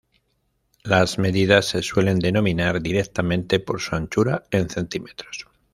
Las medidas se suelen denominar directamente por su anchura en cm.